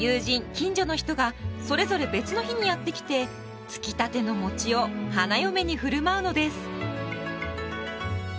近所の人がそれぞれ別の日にやって来てつきたてのもちを花嫁に振る舞うのです。